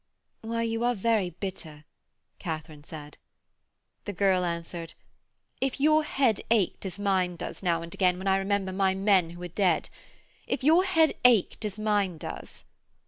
'Why, you are very bitter,' Katharine said. The girl answered, 'If your head ached as mine does now and again when I remember my men who are dead; if your head ached as mine does....'